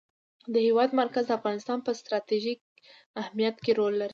د هېواد مرکز د افغانستان په ستراتیژیک اهمیت کې رول لري.